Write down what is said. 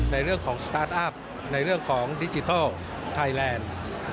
ในเรื่องของสตาร์ทอัพในเรื่องของดิจิทัลไทยแลนด์